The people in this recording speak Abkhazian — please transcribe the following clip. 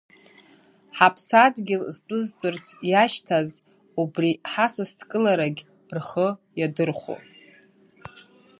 Ҳаԥсадгьыл зтәызтәырц иашьҭаз убри ҳасасдкыларагьы рхы иадырхәон.